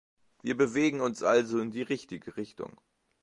Wir bewegen uns also in die richtige Richtung.